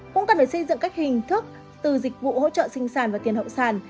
cũng cần phải xây dựng các hình thức từ dịch vụ hỗ trợ sinh sản và tiền hậu sản